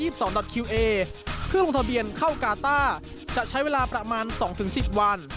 เพื่อลงทะเบียนเข้ากาต้าจะใช้เวลาประมาณ๒๑๐วัน